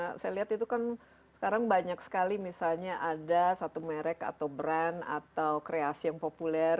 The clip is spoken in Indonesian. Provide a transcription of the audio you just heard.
karena saya lihat itu kan sekarang banyak sekali misalnya ada satu merek atau brand atau kreasi yang populer